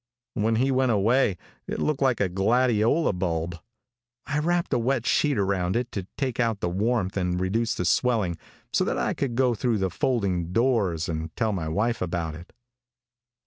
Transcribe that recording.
When he went away it looked like a gladiola bulb. I wrapped a wet sheet around it to take out the warmth and reduce the swelling so that I could go through the folding doors and tell my wife about it.